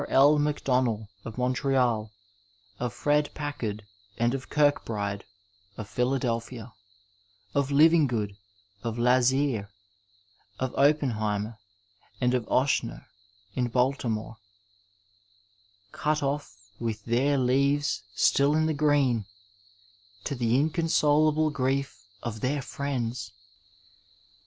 L. MacDonnell, of Montreal ; of Fred Packard and of Eirk bride, of Philadelphia ; of Livingood, of Lazear, of Oppen heimer, and of Oechsner, in Baltimore — cut off with their leaves still in the green, to the inconsolable grief of their friends!